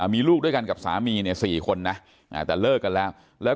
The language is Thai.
มีลูกด้วยกันกับสามีเนี่ย๔คนนะแต่เลิกกันแล้วแล้ว